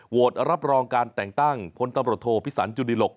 โหวตรรับรองการแต่งตั้งพนตรบรถโทพิสัญจุดิหลก